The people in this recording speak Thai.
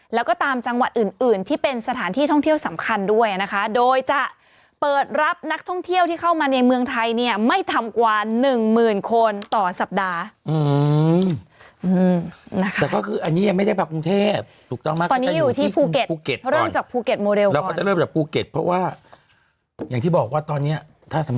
แล้วก็ตามจังหวัดอื่นอื่นที่เป็นสถานที่ท่องเที่ยวสำคัญด้วยนะคะโดยจะเปิดรับนักท่องเที่ยวที่เข้ามาในเมืองไทยเนี่ยไม่ทำกว่าหนึ่งหมื่นคนต่อสัปดาห์อืมนะคะแต่ก็คืออันนี้ยังไม่ได้ไปกรุงเทพถูกต้องไหมตอนนี้อยู่ที่ภูเก็ตภูเก็ตเริ่มจากภูเก็ตโมเดลแล้วก็จะเริ่มจากภูเก็ตเพราะว่าอย่างที่บอกว่าตอนเนี้ยถ้าสม